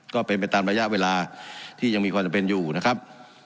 ก็เป็นไปตามระยะเวลาที่ยังมีความจำเป็นอยู่นะครับ